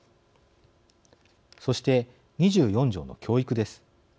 そして２４条の教育です。